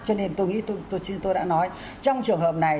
cho nên tôi nghĩ tôi đã nói trong trường hợp này